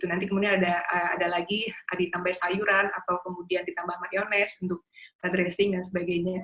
nanti kemudian ada lagi ditambah sayuran atau kemudian ditambah mayonese untuk dressing dan sebagainya